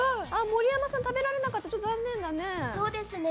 盛山さん食べられなかった、残念だね。